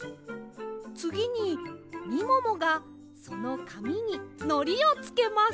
つぎにみももがそのかみにのりをつけます。